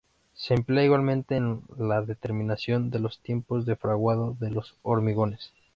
Se emplea igualmente en la determinación de los tiempos de fraguado de los hormigones.